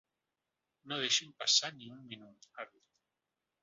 No deixin passar ni un minut, ha dit.